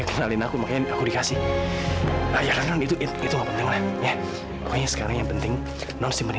kamu bisa hidup bahagia dengan hasil ini